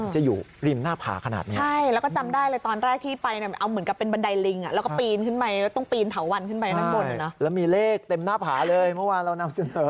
ใช่แล้วมีเลขเต็มหน้าผาเลยเมื่อวานเรานำเสนอ